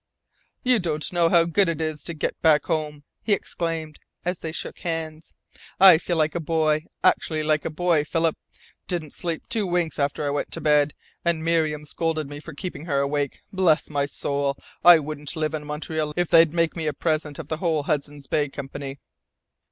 "You don't know how good it seems to get back home," he exclaimed, as they shook hands. "I feel like a boy actually like a boy, Philip! Didn't sleep two winks after I went to bed, and Miriam scolded me for keeping her awake. Bless my soul, I wouldn't live in Montreal if they'd make me a present of the whole Hudson's Bay Company."